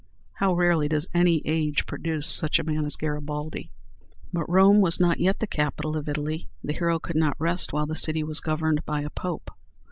How rarely does any age produce such a man as Garibaldi! But Rome was not yet the capital of Italy. The hero could not rest while the city was governed by a Pope.